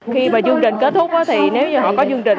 khi mà chương trình kết thúc thì nếu như họ có chương trình